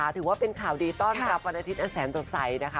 ถือว่าเป็นข่าวดีต้อนรับวันอาทิตย์อันแสนสดใสนะคะ